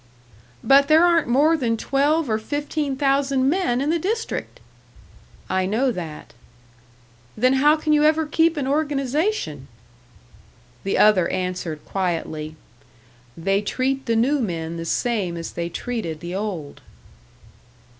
"But there aren't more than twelve or fifteen thousand men in the district!" "I know that." "Then how can you ever keep an organisation?" The other answered, quietly, "They treat the new men the same as they treated the old."